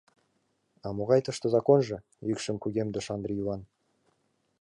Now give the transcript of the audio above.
— А могай тыште законжо?! — йӱкшым кугемдыш Андри Иван.